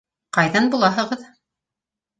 Ҡайҙан булаһығыҙ?